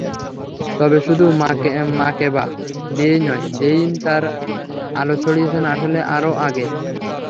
তবে শুধু মাকেবা দিয়েই নয়, জেইন তাঁর আলো ছড়িয়েছেন আসলে আরও আগে।